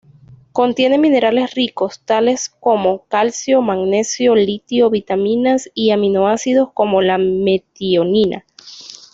Contiene minerales ricos, tales como calcio, magnesio, litio, vitaminas y aminoácidos como la metionina.